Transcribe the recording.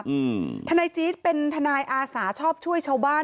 อืมทนายจี๊ดเป็นทนายอาสาชอบช่วยชาวบ้าน